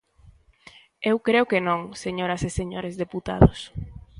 Eu creo que non, señoras e señores deputados.